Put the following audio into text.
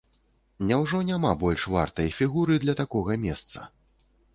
Няўжо няма больш вартай фігуры для такога месца?